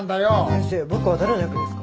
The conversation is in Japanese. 先生僕は誰の役ですか？